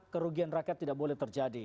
kerugian rakyat tidak boleh terjadi